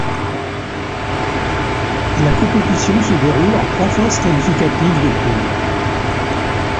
La compétition se déroule en trois phases qualificatives de poules.